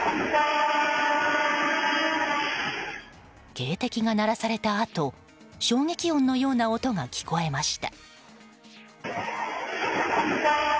警笛が鳴らされたあと衝撃音のような音が聞こえました。